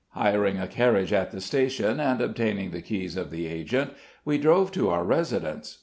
Hiring a carriage at the station, and obtaining the keys of the agent, we drove to our residence.